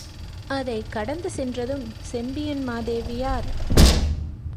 அதைக் கடந்து சென்றதும் செம்பியன்மாதேவியார்.